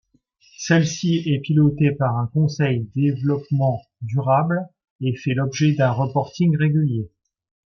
Celle-ci est pilotée par un conseil développement durable, et fait l’objet d’un reporting régulier.